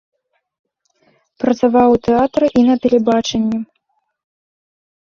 Працаваў у тэатры і на тэлебачанні.